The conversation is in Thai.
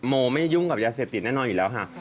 โมไม่ยุ่งกับยาเสพติดแน่นอนอยู่แล้วค่ะ